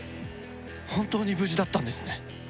本当に無事だったんですね！